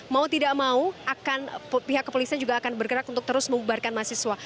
mau tidak mau pihak kepolisian juga akan bergerak untuk terus mengubarkan mahasiswa